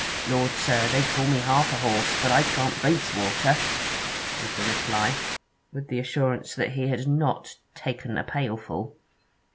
'Lord, sir, they call me half a horse, but I can't 'bids water,' was the reply, with the assurance that he had not 'taken a pailful.'